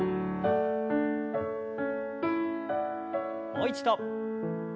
もう一度。